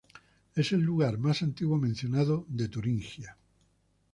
Es el lugar más antiguo mencionado de Turingia.